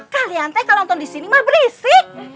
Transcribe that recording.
kalian teh kalau nonton disini mah berisik